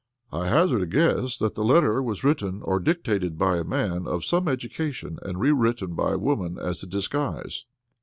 "I hazard a guess that the letter was written or dictated by a man of some education, and rewritten by a woman as a disguise."